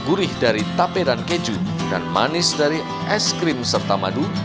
gurih dari tape dan keju dan manis dari es krim serta madu